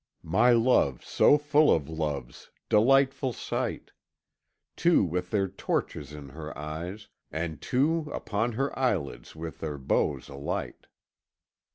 "My love so full of loves delightful sight! Two with their torches in her eyes, and two Upon her eyelids with their bows alight."